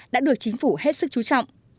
đã được chính phủ hết sức chú trọng